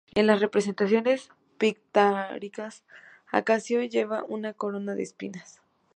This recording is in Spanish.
En las representaciones pictóricas Acacio lleva una corona de espinas.